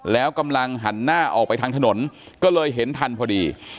แล้วกำลังหันหน้าออกไปทางถนนก็เลยเห็นทันพอดี